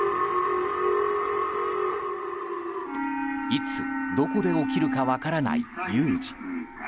いつどこで起きるか分からない有事。